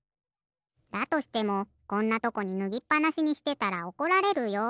だとしてもこんなとこにぬぎっぱなしにしてたらおこられるよ。